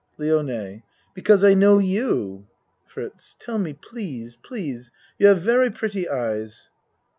LIONE Because I know you. FRITZ Tell me, please please. You have very pretty eyes.